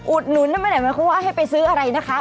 อุดหนุนนั่นไม่แหละหมายความว่าให้ไปซื้ออะไรนะคะ